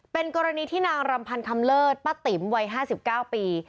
เป็นกรณีที่นางรำพันธ์คำเลิศป้าติ๋มวัย๕๙ปี